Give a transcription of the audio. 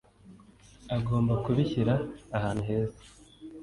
agomba kubishyira ahantu heza